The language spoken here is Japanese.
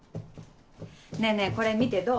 ねぇねぇこれ見てどう？